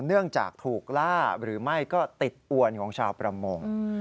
เนื่องจากถูกล่าหรือไม่ก็ติดอวนของชาวประมง